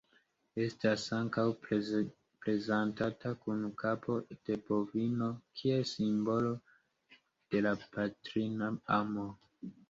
Estas ankaŭ prezentata kun kapo de bovino kiel simbolo de la patrina amo.